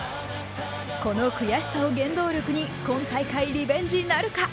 この悔しさを原動力に今大会リベンジなるか？